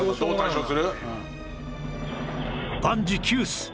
万事休す！